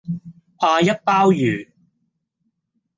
阿一鮑魚